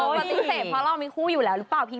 ปฏิเสธเพราะเรามีคู่อยู่แล้วหรือเปล่าพี่